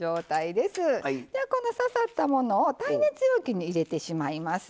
ではこの刺さったものを耐熱容器に入れてしまいます。